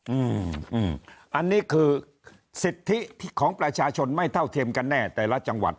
อืมอันนี้คือสิทธิของประชาชนไม่เท่าเทียมกันแน่แต่ละจังหวัด